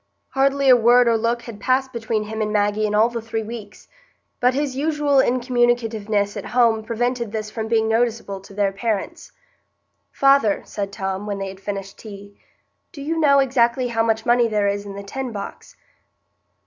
Hardly a word or look had passed between him and Maggie in all the three weeks; but his usual incommunicativeness at home prevented this from being noticeable to their parents. "Father," said Tom, when they had finished tea, "do you know exactly how much money there is in the tin box?"